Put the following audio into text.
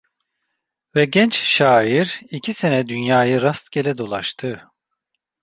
Ve genç şair iki sene dünyayı rastgele dolaştı.